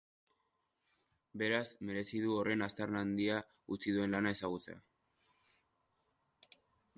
Beraz, merezi du horren aztarna handia utzi duen lana ezagutzea.